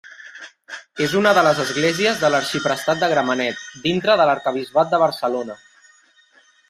És una de les esglésies de l'arxiprestat de Gramenet, dintre de l'arquebisbat de Barcelona.